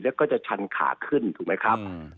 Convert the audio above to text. แล้วก็จะชันขาขึ้นถูกไหมครับ